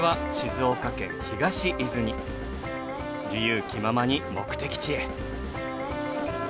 自由気ままに目的地へ。